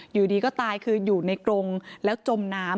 อยู่ดีก็ตายคืออยู่ในกรงแล้วจมน้ำ